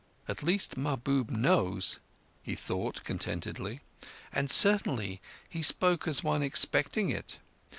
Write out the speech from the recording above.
"At least Mahbub knows," he thought contentedly. "And certainly he spoke as one expecting it.